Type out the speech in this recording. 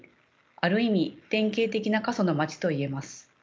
ある意味典型的な過疎のまちと言えます。